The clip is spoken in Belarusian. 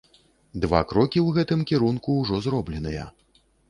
Два крокі ў гэтым кірунку ўжо зробленыя.